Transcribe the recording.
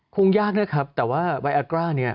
มันยากนะครับแต่ว่าไอ้กลุ่มนี้